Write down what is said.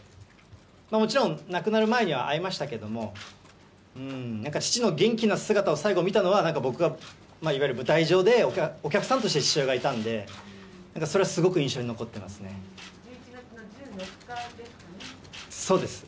もちろん、亡くなる前には会いましたけれども、なんか父の元気な姿を最後見たのは、なんか僕は、いわゆる舞台上で、お客さんとして父親がいたんで、１１月の１４日ですかね。